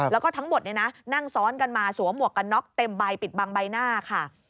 แล้วก็ทั้งหมดนั่งซ้อนกันมาสวมหมวกกันน็อกเต็มใบปิดบังใบหน้าค่ะ